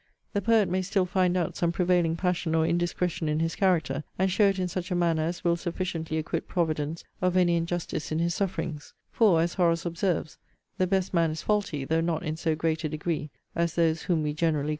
The poet may still find out some prevailing passion or indiscretion in his character, and show it in such a manner as will sufficiently acquit Providence of any injustice in his sufferings: for, as Horace observes, the best man is faulty, though not in so great a degree as those whom we generally call vicious men.